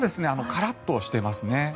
カラッとしてますね。